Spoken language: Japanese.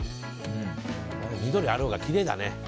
緑あるほうがきれいだね。